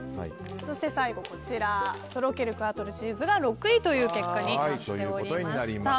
そして最後とろけるクアトロチーズが６位という結果になりました。